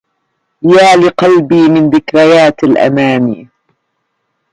يا لقلبي من ذكريات الأماني